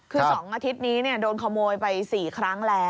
คือ๒อาทิตย์นี้โดนขโมยไป๔ครั้งแล้ว